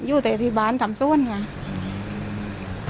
อยู่ตั้งที่บานที่สุดของก็แสดี